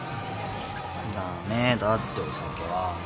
ダメだってお酒は。